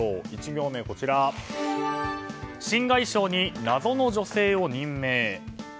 １行目は新外相にナゾの女性を任命。